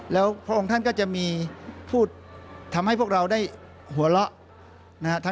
แล้วพระองค์ท่านก็จะมีพูดทำให้พวกเราได้หัวเราะนะฮะ